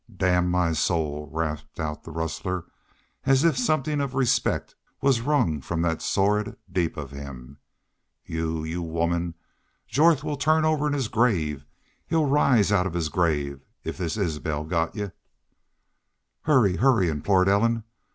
"Damn my soul!" rasped out the rustler, as if something of respect was wrung from that sordid deep of him. "Y'u y'u woman! ... Jorth will turn over in his grave. He'd rise out of his grave if this Isbel got y'u." "Hurry! Hurry!" implored Ellen.